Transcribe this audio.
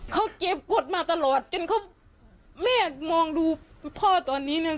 เขาเก็บกฎมาตลอดจนเขาแม่มองดูพ่อตอนนี้นะ